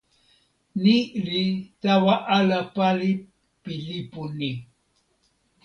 ni li tawa ala pali pi lipu ni.